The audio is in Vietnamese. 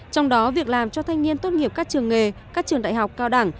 trong đó việc làm cho thanh niên tốt nghiệp các trường nghề các trường đại học cao đẳng